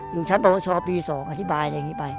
อยู่ชั้นประวัติศาสตร์ปี๒อธิบายอะไรอย่างนี้ไป